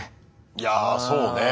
いやそうね。